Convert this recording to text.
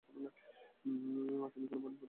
তিনি কোন বোলিং করতেন না।